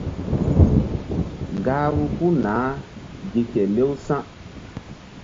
Gahru puh naah gi kelew sa̧.